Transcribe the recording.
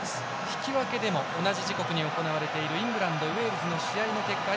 引き分けでも同じ時刻に行われているイングランド、ウェールズの試合の結果